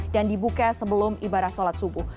dan dibuka sebelum ibarat sholat subuh